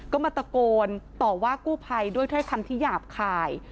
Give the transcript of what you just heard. ก็มาตะโกนต่อว่ากู้ภัยด้วยถ้อยคำที่หยาบคาย